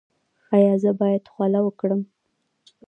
ایا زه باید خوله وکړم؟